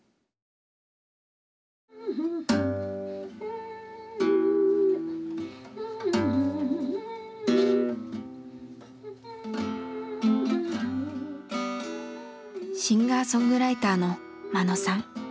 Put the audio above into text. シンガーソングライターの眞野さん。